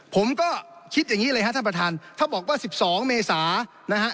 ผมก็คิดอย่างนี้เลยฮะท่านประธานถ้าบอกว่า๑๒เมษานะฮะ